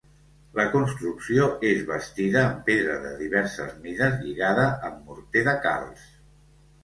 La construcció és bastida amb pedra de diverses mides lligada amb morter de calç.